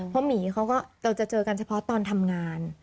เพราะหมีเขาก็เราจะเจอกันเฉพาะตอนทำงาน